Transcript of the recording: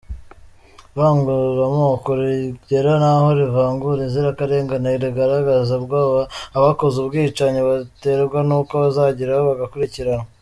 “Ivanguramoko rigera naho rivangura inzirakarengane rigaragaza ubwoba abakoze ubwicanyi baterwa nuko bazageraho bagakuriranwa.